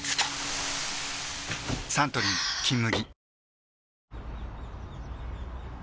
サントリー「金麦」